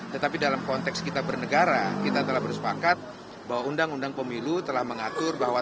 tetapi dalam konteks kita bernegara kita telah bersepakat bahwa undang undang pemilu telah mengatur bahwa